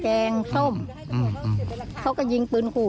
กระบบนี้กระทนแก่ลุงมาเสร็จแล้ว